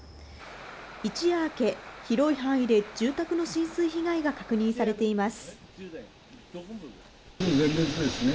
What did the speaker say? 一夜明け、広い範囲で住宅の浸水被害が確認されています。